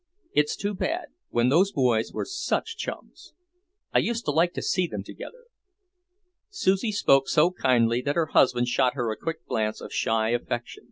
It's too bad, when those boys were such chums. I used to like to see them together." Susie spoke so kindly that her husband shot her a quick glance of shy affection.